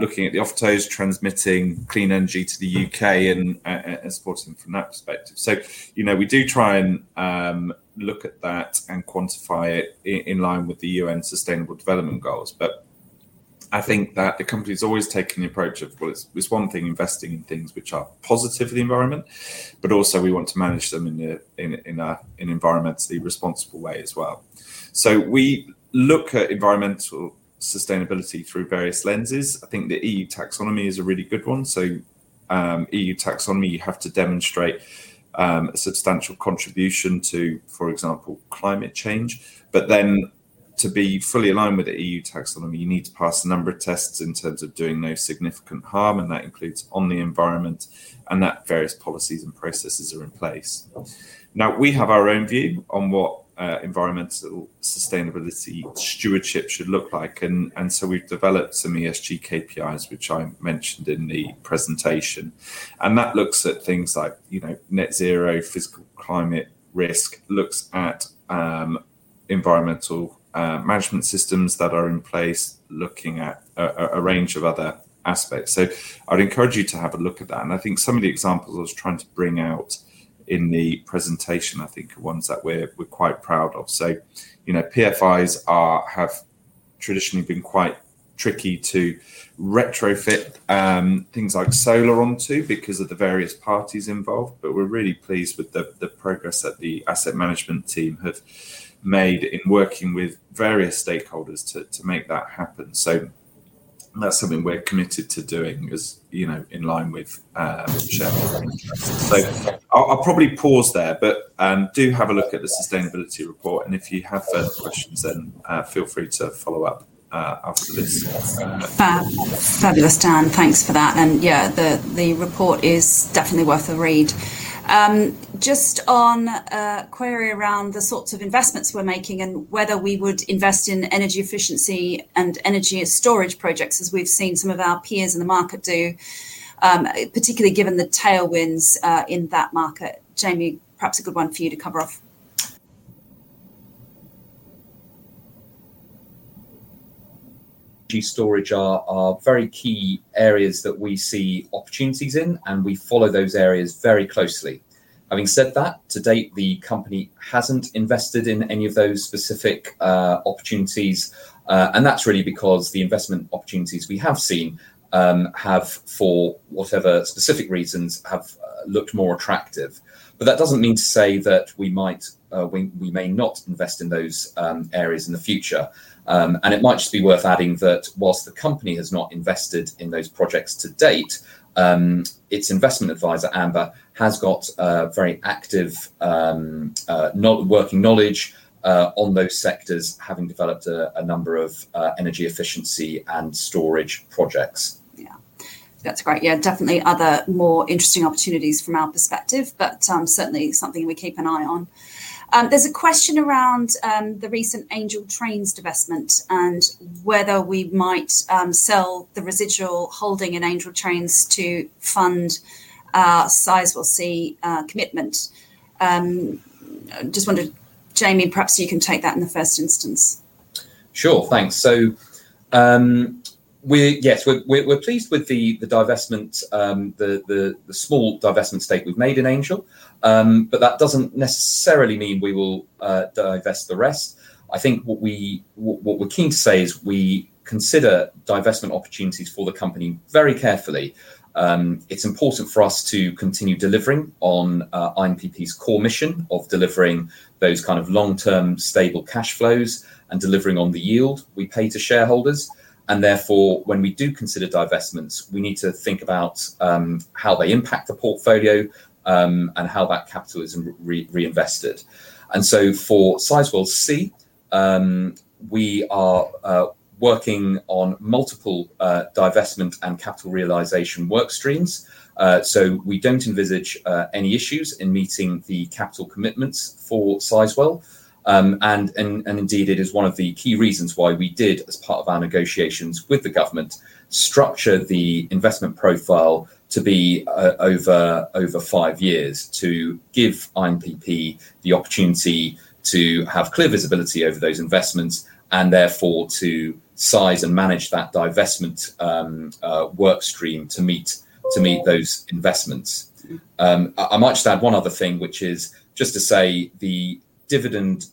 Looking at the off toes, transmitting clean energy to The UK and and supporting from that perspective. So, you know, we do try and look at that and quantify it in line with the UN sustainable development goals. But I think that the company's always taking the approach of what is was one thing investing in things which are positive for the environment, but also we want to manage them in a in a in a in a environmentally responsible way as well. So we look at environmental sustainability through various lenses. I think the EU taxonomy is a really good one. So EU taxonomy, you have to demonstrate a substantial contribution to, for example, climate change. But then to be fully aligned with the EU taxonomy, you need to pass a number of tests in terms of doing no significant harm, and that includes on the environment and that various policies and processes are in place. Now we have our own view on what environmental sustainability stewardship should look like, and and so we've developed some ESG KPIs, which I mentioned in the presentation. And that looks at things like, you know, net zero, fiscal climate risk, looks at environmental management systems that are in place, looking at a a range of other aspects. So I'd encourage you to have a look at that. And I think some of the examples I was trying to bring out in the presentation, I think, ones that we're we're quite proud of. So, you know, PFIs are have traditionally been quite tricky to retrofit things like Solar onto because of the various parties involved, but we're really pleased with the the progress that the asset management team have made in working with various stakeholders to to make that happen. So that's something we're committed to doing is, you know, in line with share. So I'll I'll probably pause there, but do have a look at the sustainability report. And if you have further questions, then feel free to follow-up after this. Fabulous, Dan. Thanks for that. And, yeah, the report is definitely worth a read. Just on a query around the sorts of investments we're making and whether we would invest in energy efficiency and energy storage projects as we've seen some of our peers in the market do, particularly given the tailwinds in that market. Jamie, perhaps a good one for you to cover off. G storage are very key areas that we see opportunities in, and we follow those areas very closely. Having said that, to date, the company hasn't invested in any of those specific opportunities, and that's really because the investment opportunities we have seen have, for whatever specific reasons, looked more attractive. But that doesn't mean to say that we might we may not invest in those areas in the future. And it might just be worth adding that whilst the company has not invested in those projects to date, its investment adviser, Amber, has got a very active working knowledge on those sectors having developed a number of energy efficiency and storage projects. Yeah. That's great. Yeah. Definitely other more interesting opportunities from our perspective, but certainly something we keep an eye on. There's a question around the recent Angel Trains divestments and whether we might sell the residual holding in Angel Trains to fund sizable C commitment. Just wondered, Jamie, perhaps you can take that in the first instance. Sure. Thanks. So we yes, we're pleased with the divestment, the small divestment stake we've made in Angel. But that doesn't necessarily mean we will divest the rest. I think what we're keen to say is we consider divestment opportunities for the company very carefully. It's important for us to continue delivering on IMPP's core mission of delivering those kind of long term stable cash flows and delivering on the yield we pay to shareholders. And therefore, when we do consider divestments, we need to think about how they impact the portfolio and how that capital is reinvested. And so for Sizeable C, we are working on multiple divestment and capital realization work streams. So we don't envisage any issues in meeting the capital commitments for Sizwell. And indeed, it is one of the key reasons why we did, as part of our negotiations with the government, structure the investment profile to be over five years to give IMPP the opportunity to have clear visibility over those investments and therefore, to size and manage that divestment work stream to meet those investments. I might just add one other thing, which is just to say the dividend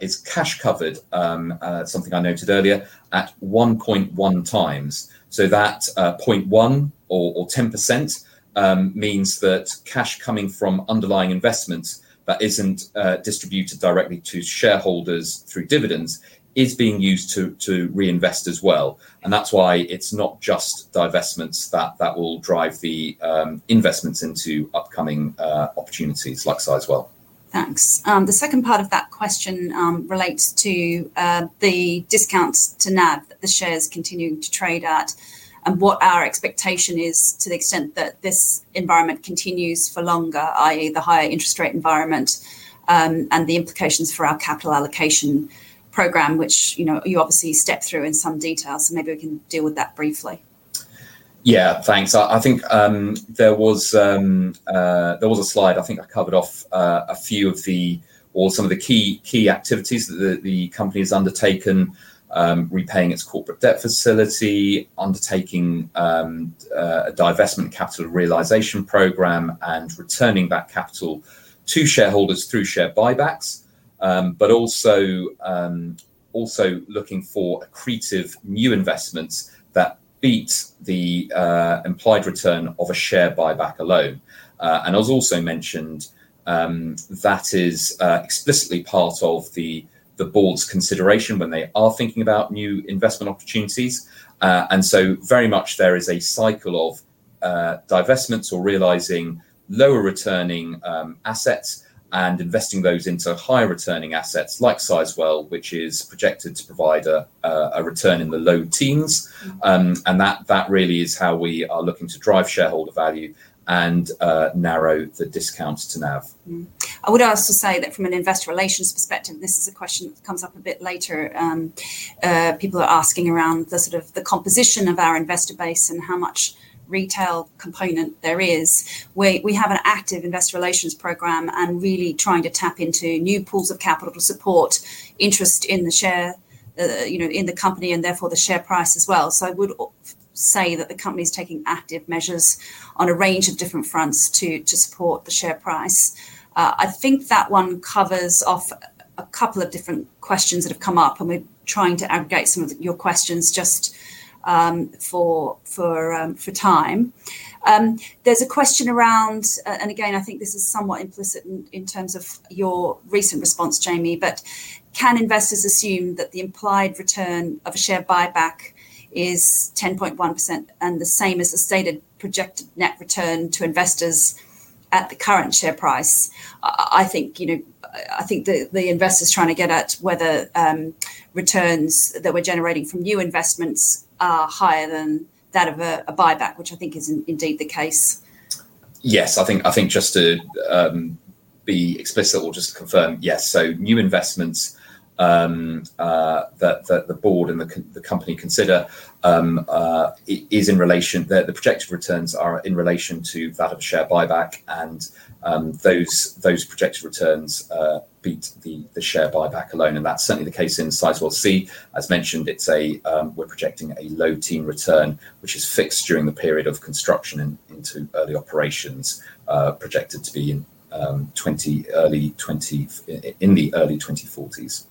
is cash covered, something I noted earlier, at 1.1x. So that 0.1% or 10% means that cash coming from underlying investments that isn't distributed directly to shareholders through dividends is being used to reinvest as well. And that's why it's not just divestments that will drive the investments into upcoming opportunities like Si as well. The second part of that question relates to the discounts to NAV that the shares continue to trade at and what our expectation is to the extent that this environment continues for longer, I. E, the higher interest rate environment and the implications for our capital allocation program, which you obviously stepped through in some detail. So maybe we can deal with that briefly. Yes. Thanks. I think there was a slide, I think, I covered off a few of the or some of the key activities that the company has undertaken, repaying its corporate debt facility, undertaking a divestment capital realization program and returning that capital to shareholders through share buybacks, but also looking for accretive new investments that beat the implied return of a share buyback alone. And as also mentioned, that is explicitly part of the Board's consideration when they are thinking about new investment opportunities. And so very much there is a cycle of divestments or realizing lower returning assets and investing those into high returning assets like Sizwell, which is projected to provide a return in the low teens. And that really is how we are looking to drive shareholder value and narrow the discounts to NAV. I would also say that from an investor relations perspective, this is a question that comes up a bit later. People are asking around the sort of the composition of our investor base and how much retail component there is. We we have an active investor relations program and really trying to tap into new pools of capital to support interest in the share, you know, in the company and therefore the share price as well. So I would say that the company is taking active measures on a range of different fronts to to support the share price. I think that one covers off a couple of different questions that have come up and we're trying to aggregate some of your questions just for time. There's a question around, and again I think this is somewhat implicit in terms of your recent response Jamie, but can investors assume that the implied return of a share buyback is 10.1% and the same as the stated projected net return to investors at the current share price? I think, you know, I think the the investors trying to get at whether returns that we're generating from new investments are higher than that of a buyback, which I think is indeed the case. Yes. I just to be explicit or just confirm, yes. So new investments that the board and the company consider is in relation the projected returns are in relation to that of share buyback and those projected returns beat share buyback alone. And that's certainly the case in Sizeable C. As mentioned, it's a we're projecting a low teen return, which is fixed during the period of construction into early operations projected to be in twenty early twenty in the early 2040s. Yeah.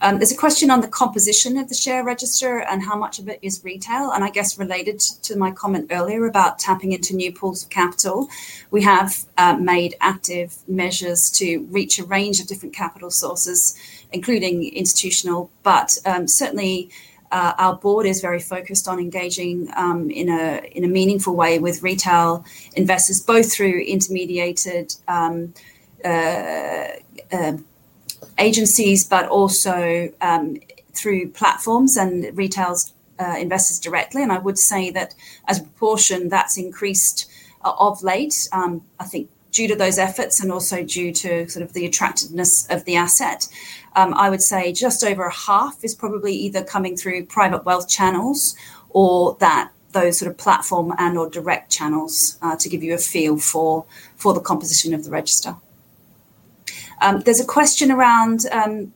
There's a question on the composition of the share register and how much of it is retail. And I guess related to my comment earlier about tapping into new pools of capital, we have made active measures to reach a range of different capital sources, including institutional. But, certainly, our board is very focused on engaging in a in a meaningful way with retail investors both through intermediated agencies, but also through platforms and retails investors directly. And I would say that as a proportion that's increased of late, I think, due to those efforts and also due to sort of the attractiveness of the asset. I would say just over half is probably either coming through private wealth channels or that those sort of platform and or direct channels to give you a feel for for the composition of the register. There's a question around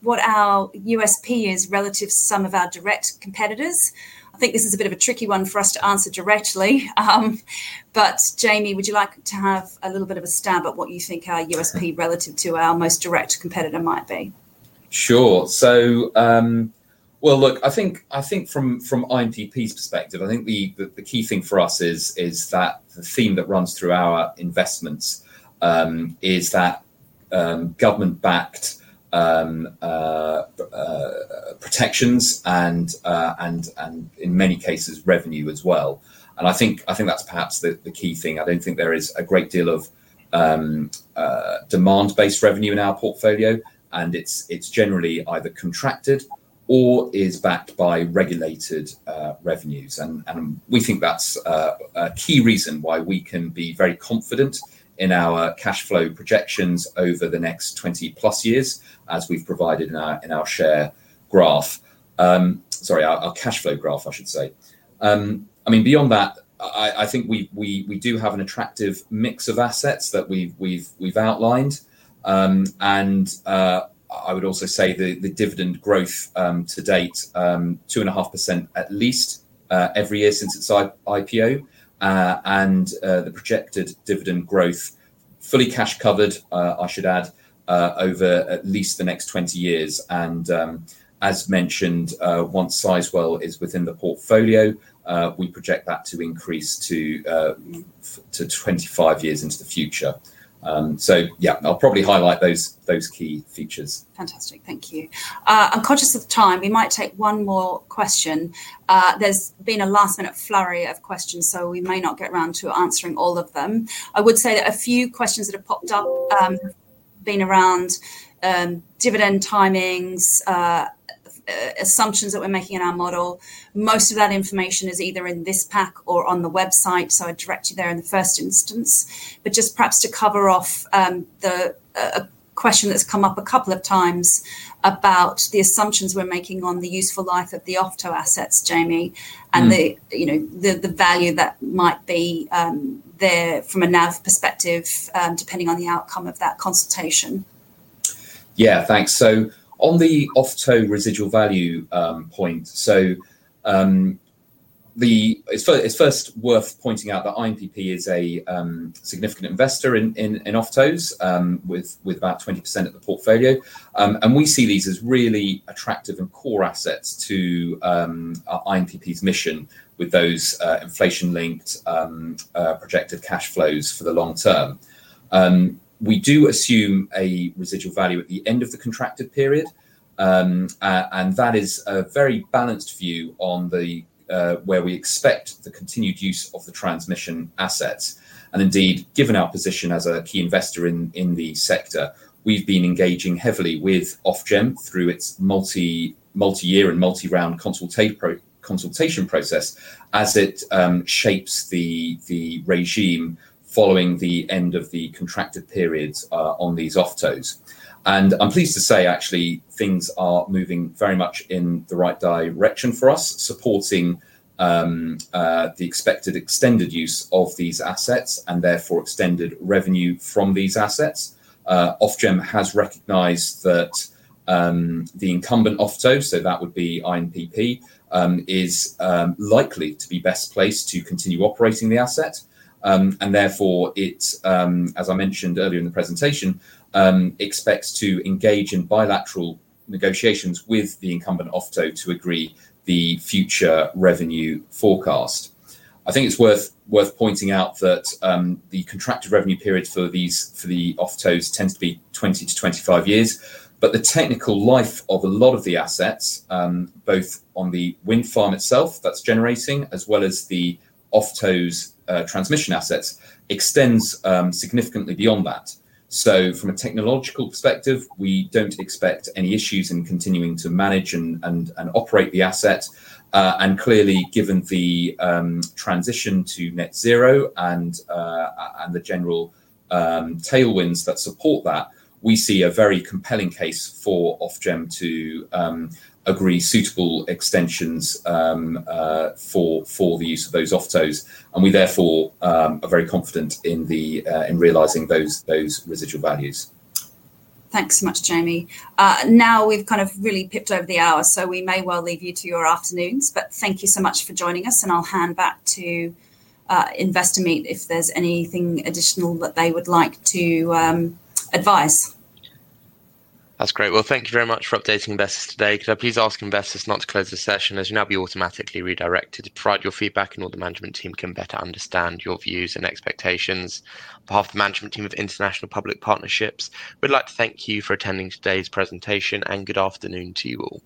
what our USP is relative to some of our direct competitors. I think this is a bit of a tricky one for us to answer directly. But, Jamie, would you like to have a little bit of a stab at what you think our USP relative to our most direct competitor might be? Sure. So well, look, I think from INTP's perspective, I think the key thing for us is that the theme that runs through our investments is that government backed protections and, in many cases, revenue as well. And I think that's perhaps the key thing. I don't think there is a great deal of demand based revenue in our portfolio, and it's generally either contracted or is backed by regulated revenues. And we think that's a key reason why we can be very confident in our cash flow projections over the next twenty plus years as we've provided in our share graph sorry, our cash flow graph, I should say. I mean beyond that, I think we do have an attractive mix of assets that we've outlined. And I would also say the dividend growth to date, 2.5% at least every year since its IPO. And the projected dividend growth, fully cash covered, I should add, over at least the next twenty years. And as mentioned, once Sizwell is within the portfolio, we project that to increase to twenty five years into the future. So yes, I'll probably highlight those key features. Fantastic. Thank you. I'm conscious of time. We might take one more question. There's been a last minute flurry of questions, so we may not get around to answering all of them. I would say that a few questions that have popped up been around dividend timings, assumptions that we're making in our model. Most of that information is either in this pack or on the website, so I direct you there in the first instance. But just perhaps to cover off the question that's come up a couple of times about the assumptions we're making on the useful life of the off tow assets, Jamie, and the value that might be there from a NAV perspective depending on the outcome of that consultation. Yes, thanks. So on the off toe residual value point, so the it's first worth pointing out that INPP is a significant investor in off toes with about 20 of the portfolio. And we see these as really attractive and core assets to our INTP's mission with those inflation linked projected cash flows for the long term. We do assume a residual value at the end of the contracted period. And that is a very balanced view on the where we expect the continued use of the transmission assets. And indeed, given our position as a key investor in the sector, we've been engaging heavily with Ofgem through its multiyear and multi round consultation process as it shapes the regime following the end of the contracted periods on these offtows. And I'm pleased to say, actually, things are moving very much in the right direction for us, supporting the expected extended use of these assets and therefore, extended revenue from these assets. Ofgem has recognized that the incumbent Ofto, so that would be IMPP, is likely to be best placed to continue operating the asset. And therefore, it's, as I mentioned earlier in the presentation, expects to engage in bilateral negotiations with the incumbent Ofto to agree the future revenue forecast. I think it's worth pointing out that the contracted revenue period for these for the offtows tends to be twenty to twenty five years. But the technical life of a lot of the assets, both on the wind farm itself that's generating as well as the offtow's transmission assets extends significantly beyond that. So from a technological perspective, we don't expect any issues in continuing to manage and operate the assets. And clearly, given the transition to net zero and the general tailwinds that support that, we see a very compelling case for Ofgem to agree suitable extensions for the use of those off toes. And we, therefore, are very confident in the in realizing those residual values. Thanks so much, Jamie. Now we've kind of really pipped over the hour, so we may well leave you to your afternoons. But thank you so much for joining us, and I'll hand back to Investor Meet if there's anything additional that they would like to advise. That's great. Well, you very much for updating investors today. Could I please ask investors not to close the session as you now be automatically redirected to provide your feedback and all the management team can better understand your views and expectations. On behalf of the management team of International Public Partnerships, we'd like to thank you for attending today's presentation, and good afternoon to you all.